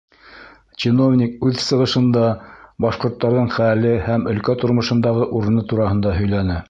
Чиновник үҙ сығышында башҡорттарҙың хәле һәм өлкә тормошондағы урыны тураһында һөйләне.